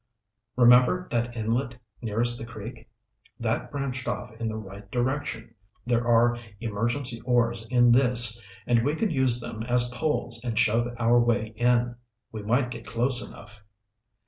Remember that inlet nearest the creek? That branched off in the right direction. There are emergency oars in this and we could use them as poles and shove our way in. We might get close enough."